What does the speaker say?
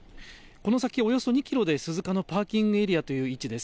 この先、およそ２キロで鈴鹿のパーキングエリアという位置です。